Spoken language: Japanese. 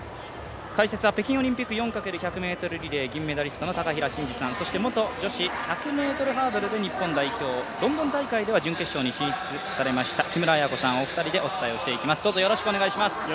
解説は北京オリンピック４×１００ｍリレー銀メダリストの高平慎士さん、そして元女子１００ｍハードルで日本代表、ロンドン大会では準決勝に進出されました木村文子さん、お二人でお伝えしていきます。